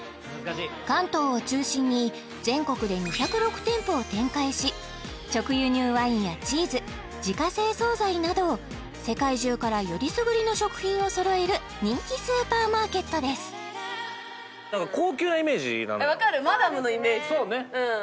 関東を中心に全国で２０６店舗を展開し直輸入ワインやチーズ自家製惣菜など世界中からよりすぐりの食品をそろえる人気スーパーマーケットですわかるそうね